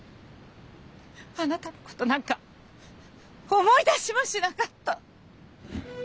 あなたのことなんか思い出しもしなかった。